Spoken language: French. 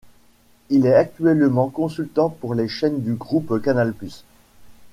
Il est actuellement consultant sur les chaînes du groupe Canal Plus.